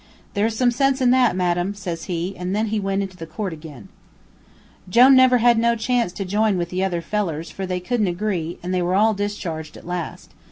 "'There's some sense in that, madam,' says he, an' then he went into court ag'in. "Jone never had no chance to jine in with the other fellers, for they couldn't agree, an' they were all discharged, at last.